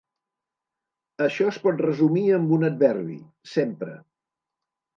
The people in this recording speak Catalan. Això es pot resumir amb un adverbi: sempre.